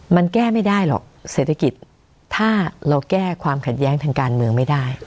มันแก้ไม่ได้หรอกเศรษฐกิจถ้าเราแก้ความขัดแย้งทางการเมืองไม่ได้